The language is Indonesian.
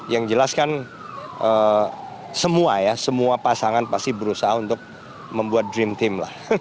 yang jelas kan semua ya semua pasangan pasti berusaha untuk membuat dream team lah